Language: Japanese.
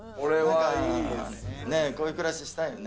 こういう暮らししたいよね。